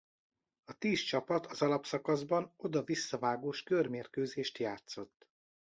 A tíz csapat az alapszakaszban oda-visszavágós körmérkőzést játszott.